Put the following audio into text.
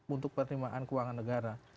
untuk penerimaan keuangan negara